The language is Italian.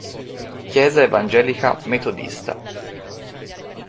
Chiesa evangelica metodista